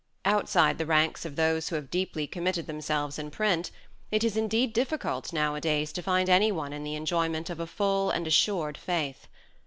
Outside the ranks of those who have deeply committed themselves in print it is indeed difficult nowadays to find any one in the enjoyment of a full and assured faith.